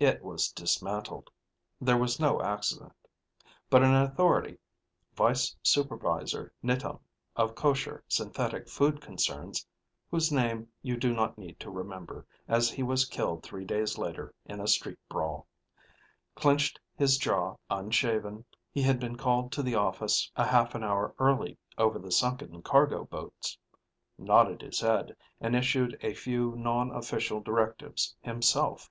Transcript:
It was dismantled. There was no accident. But an authority, Vice Supervisor Nitum of Koshar Synthetic Food Concerns (whose name you do not need to remember, as he was killed three days later in a street brawl) clenched his jaw (unshaven; he had been called to the office a half an hour early over the sunken cargo boats), nodded his head, and issued a few non official directives himself.